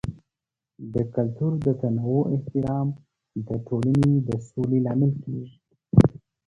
د کلتور د تنوع احترام د ټولنې د سولې لامل کیږي.